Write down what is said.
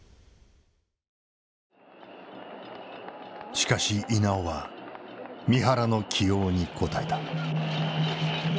しかし稲尾は三原の起用に応えた。